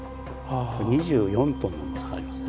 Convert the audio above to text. ２４トンの重さがありますね。